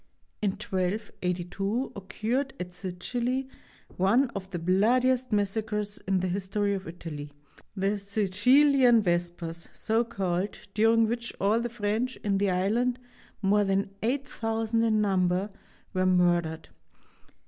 In 1282 occurred at Sicily one of the bloodiest massacres in the his tory of Italy, the Sicilian Vespers, so called, during which all the French in the island, more than 8000 in number, were murdered.